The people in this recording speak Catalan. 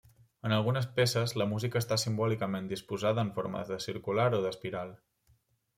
En algunes peces, la música està simbòlicament disposada en forma de circular o d’espiral.